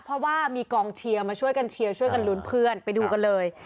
เพราะว่ามีกองเชียร์มาช่วยกันเชียร์ช่วยกันลุ้นเพื่อนไปดูกันเลย